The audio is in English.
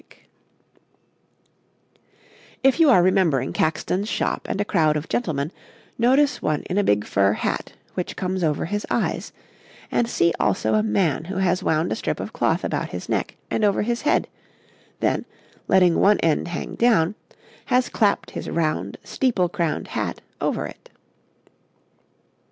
[Illustration: {Twelve types of head gear for men}] If you are remembering Caxton's shop and a crowd of gentlemen, notice one in a big fur hat, which comes over his eyes; and see also a man who has wound a strip of cloth about his neck and over his head, then, letting one end hang down, has clapped his round, steeple crowned hat over it.